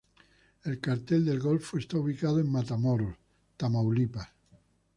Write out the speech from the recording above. El Cártel del Golfo está ubicado en Matamoros, Tamaulipas.